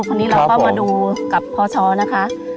พอนี้เราก็มาดูกับพ่อช้อนะคะ